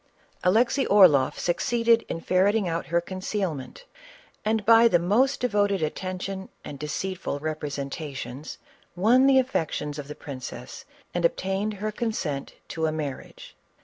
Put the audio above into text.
Alexey Orloff succeeded in ferreting out her concealment, and, by the most devoted attention and deceitful representations, won the affections of the princess and obtained her con sent to a marriage.